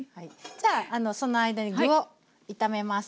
じゃその間に具を炒めます。